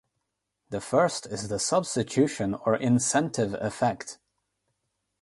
The first is the substitution or incentive effect.